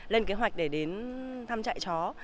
lên kế hoạch để đến thăm chạy chó